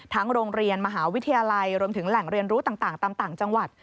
โรงเรียนมหาวิทยาลัยรวมถึงแหล่งเรียนรู้ต่างตามต่างจังหวัด